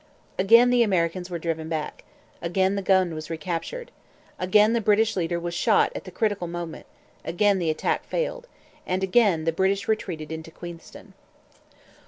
Again the Americans were driven back. Again the gun was recaptured. Again the British leader was shot at the critical moment. Again the attack failed. And again the British retreated into Queenston.